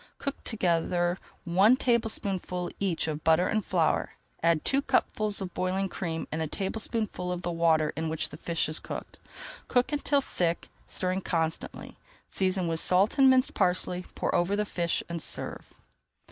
Cook together one tablespoonful each of butter and of flour, add two cupfuls of boiling cream and a tablespoonful of the water in which the fish is cooked. Cook until thick, stirring constantly, season with salt and minced parsley, pour over the fish, and serve.